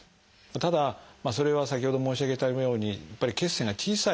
ただそれは先ほど申し上げたようにやっぱり血栓が小さい